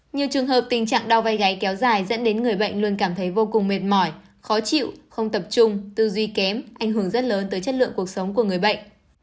nhiều trường hợp tình trạng đau vai gáy kéo dài dẫn đến người bệnh luôn cảm thấy vô cùng mệt mỏi khó chịu không tập trung tư duy kém ảnh hưởng rất lớn tới chất lượng cuộc sống của người bệnh